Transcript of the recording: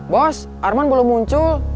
bos arman belum muncul